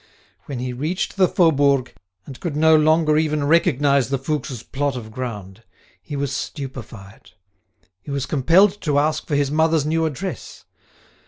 When he reached the Faubourg, and could no longer even recognise the Fouques' plot of ground, he was stupefied. He was compelled to ask for his mother's new address.